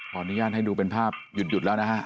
อนุญาตให้ดูเป็นภาพหยุดแล้วนะฮะ